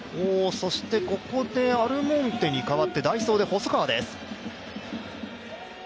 そしてここでアルモンテに代わって代走で細川です。